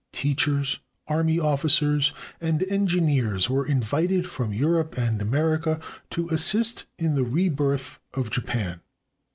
Teachers, army officers, and engineers were invited from Europe and America to assist in the rebirth of Japan.